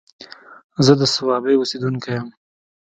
زه د صوابۍ اوسيدونکی يم